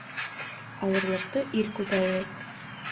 Ауырлыҡты ир күтәрер.